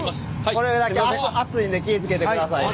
これだけ熱いんで気ぃ付けてくださいね。